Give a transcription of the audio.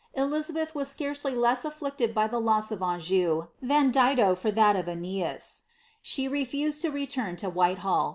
Eli belh was scarcely lees afflicted for llie loss of Anjnu than Djdn for I of £neas. She refused to return to Whilehsll.